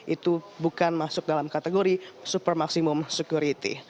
itu bukan masuk dalam kategori super maksimum security